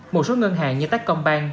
một số ngân hàng như techcombank